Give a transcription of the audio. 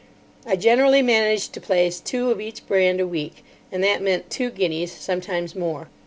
I generally managed to place two of each brand a week; and that meant two guineas, sometimes more.